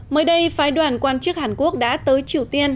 mới đây phái đoàn quan chức hàn quốc đã tới triều tiên